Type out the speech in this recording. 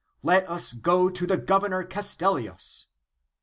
Let us go to the Governor Castellius